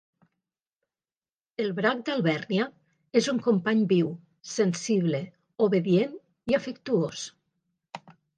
El brac d'Alvèrnia és un company viu, sensible, obedient i afectuós.